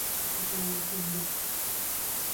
A colaboración, di.